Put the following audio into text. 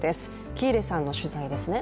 喜入さんの取材ですね。